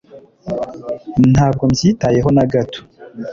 ntabwo mbyitayeho na gato